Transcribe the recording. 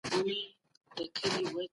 مغولو د همدي طبقو ملاتړ کاوه.